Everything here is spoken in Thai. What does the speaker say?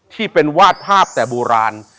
ที่เป็นวาดภาพแต่โบราณ